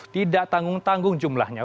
tidak tanggung tanggung jumlahnya